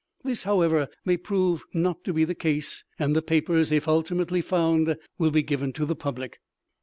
This, however, may prove not to be the case, and the papers, if ultimately found, will be given to the public.